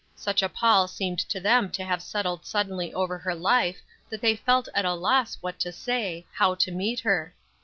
Such a pall seemed to them to have settled suddenly over her life that they felt at a loss what to say, how to meet her.